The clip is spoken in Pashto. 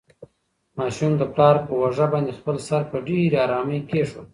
ماشوم د پلار په اوږه باندې خپل سر په ډېرې ارامۍ کېښود.